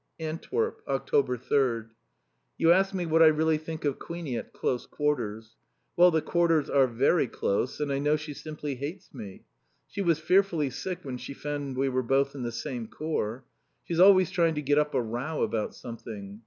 Antwerp. October 3rd. ... You ask me what I really think of Queenie at close quarters. Well, the quarters are very close and I know she simply hates me. She was fearfully sick when she found we were both in the same Corps. She's always trying to get up a row about something.